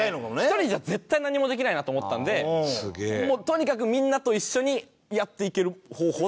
１人じゃ絶対何もできないなと思ったんでもうとにかくみんなと一緒にやっていける方法。